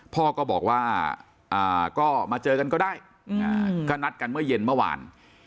พ่อก็บอกว่าก็มาเจอกันก็ได้ก็นัดกันเมื่อเย็นเมื่อวาน